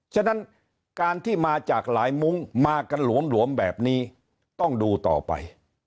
ฉะนั้นการที่มาจากหลายมุ้งมากันหลวมแบบนี้ต้องดูต่อไป